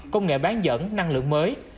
công nghệ bán dẫn năng lượng mới